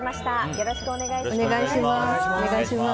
よろしくお願いします。